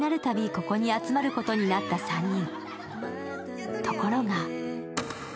ここに集まることになった３人。